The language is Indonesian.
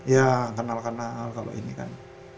ya kenal kenal kalo ini kan